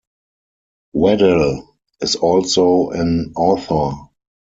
Waddell is also an author.